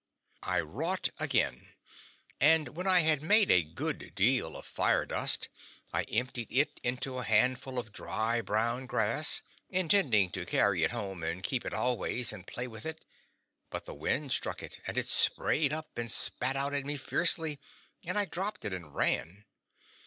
I wrought again; and when I had made a good deal of fire dust I emptied it into a handful of dry brown grass, intending to carry it home and keep it always and play with it; but the wind struck it and it sprayed up and spat out at me fiercely, and I dropped it and ran.